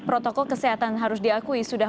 protokol kesehatan harus diakui sudah